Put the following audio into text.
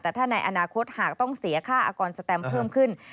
แต่ถ้าในอนาคตหากต้องเสียค่าอากรสแตมเพิ่มขึ้น